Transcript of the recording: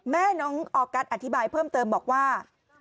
แม่น้องออกัสอธิบายเพิ่มเติมบอกว่า